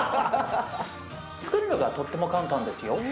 つくるのがとっても簡単ですよ。